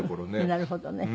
なるほどね。